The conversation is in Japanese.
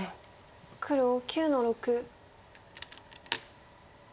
黒９の六。